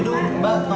terima kasih mbak